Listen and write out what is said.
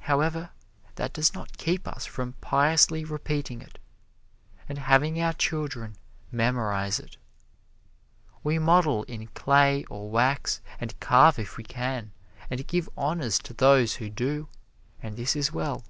However, that does not keep us from piously repeating it, and having our children memorize it. We model in clay or wax, and carve if we can, and give honors to those who do, and this is well.